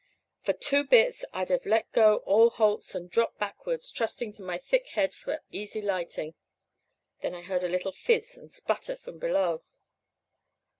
"For two bits I'd have let go all holts and dropped backwards, trusting to my thick head for easy lighting. Then I heard a little fizz and sputter from below.